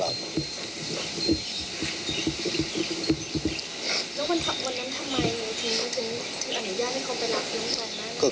แล้ววันทักวันนั้นทำไมที่น้องศักดิ์มันขออนุญาตให้เขาไปรับน้องศักดิ์แม่